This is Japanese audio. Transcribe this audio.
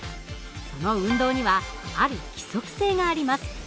その運動にはある規則性があります。